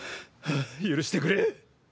許してくれ。